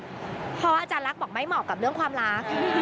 เพราะอาจารย์ลักษณ์บอกไม่เหมาะกับเรื่องความรัก